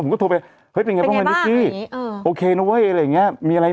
ผมก็โทรไปเฮ้ยเป็นไงบ้างวะนิกกี้โอเคนะเว้ยอะไรอย่างเงี้ยมีอะไร